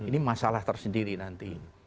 ini masalah tersendiri nanti